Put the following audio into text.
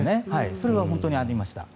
それは本当にありました。